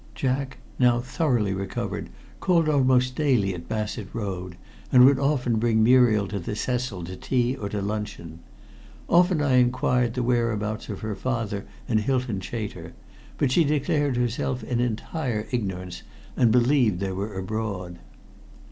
Jack, now thoroughly recovered, called almost daily at Bassett Road, and would often bring Muriel to the Cecil to tea or to luncheon. Often I inquired the whereabouts of her father and of Hylton Chater, but she declared herself in entire ignorance, and believed they were abroad.